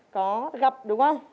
có gặp đúng không